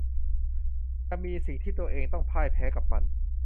จะมีสิ่งที่ตัวเองต้องพ่ายแพ้กับมัน